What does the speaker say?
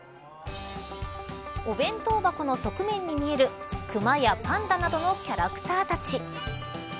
お弁当箱の側面に見えるくまやパンダなどのキャラクターたち。